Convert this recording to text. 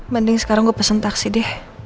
mending sekarang gue pesen taksi deh